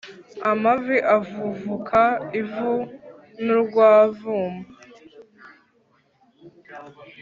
Amavi avuvuka ivu n'urwavumba